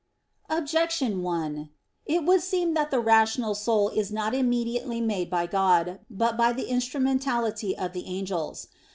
Objection 1: It would seem that the rational soul is not immediately made by God, but by the instrumentality of the angels.